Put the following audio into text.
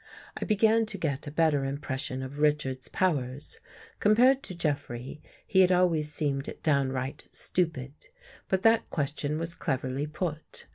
I began to get a better impression of Richards's powers. Compared to Jeffrey, he had always seemed downright stupid. But that question was cleverly put.